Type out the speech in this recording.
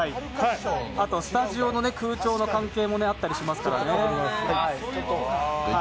あとスタジオの空調の関係もあったりしますから。